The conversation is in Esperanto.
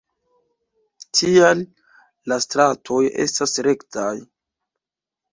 Tial la stratoj estas rektaj.